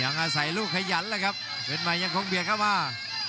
อยากมาใส่ลูกขยันแล้วครับเพชรใหม่ยังคงเบียตเข้ามา